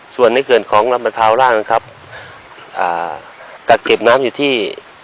ส่วนในเขื่อนของลำประทาวร่างนะครับอ่ากักเก็บน้ำอยู่ที่